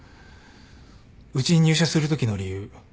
うちに入社するときの理由